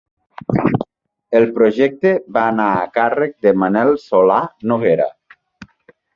El projecte va anar a càrrec de Manel Solà Noguera.